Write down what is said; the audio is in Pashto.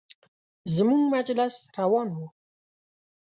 زموږ مجلس روان و.